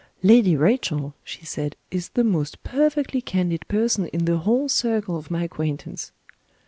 "Lady Rachel," she said, "is the most perfectly candid person in the whole circle of my acquaintance."